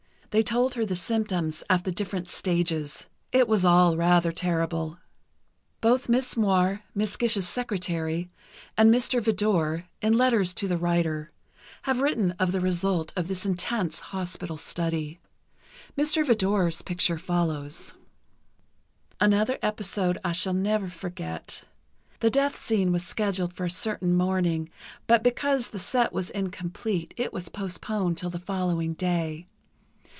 They told her the symptoms at the different stages. It was all rather terrible. Both Miss Moir—Miss Gish's secretary—and Mr. Vidor, in letters to the writer, have written of the result of this intense hospital study. Mr. Vidor's picture follows: Another episode I shall never forget: The death scene was scheduled for a certain morning, but because the set was incomplete, it was postponed till the following day.